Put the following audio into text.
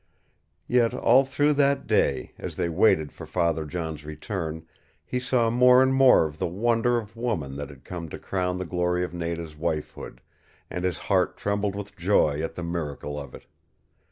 Yet all through that day, as they waited for Father John's return, he saw more and more of the wonder of woman that had come to crown the glory of Nada's wifehood, and his heart trembled with joy at the miracle of it.